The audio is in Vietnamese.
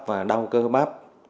và đau cơ bắp